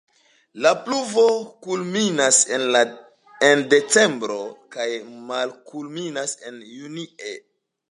La pluvo kulminas en decembro kaj malkulminas en junie.